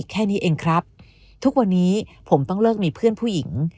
แค่นี้เองครับทุกวันนี้ผมต้องเลิกมีเพื่อนผู้หญิง